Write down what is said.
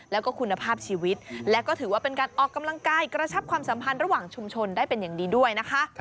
แล้วก็คุณภาพชีวิตและก็ถือว่าเป็นการออกกำลังกายกระชับความสัมพันธ์ระหว่างชุมชนได้เป็นอย่างดีด้วยนะคะ